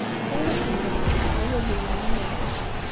Ur asen-d-neṭṭqeɣ awalen-nni akk.